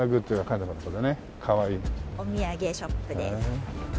お土産ショップです。